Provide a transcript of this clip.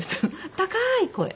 高い声。